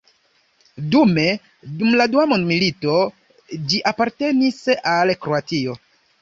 Dume dum la Dua Mondmilito ĝi apartenis al Kroatio.